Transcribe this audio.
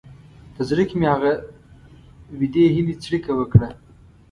په زړه کې مې هغه وېډې هیلې څړیکه وکړه.